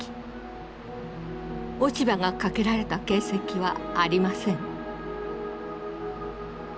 落ち葉がかけられた形跡はありません。